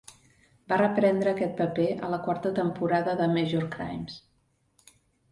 Va reprendre aquest paper a la quarta temporada de "Major Crimes".